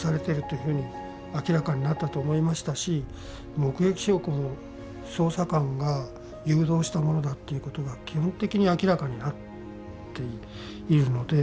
目撃証拠も捜査官が誘導したものだっていうことが基本的に明らかになっているので。